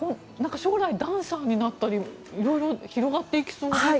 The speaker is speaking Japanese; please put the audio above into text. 将来、ダンサーになったり色々広がっていきそうですよね。